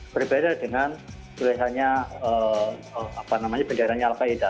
berbeda dengan tulisannya apa namanya benderanya al qaeda